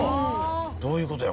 どういうことや？